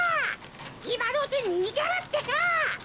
いまのうちににげるってか！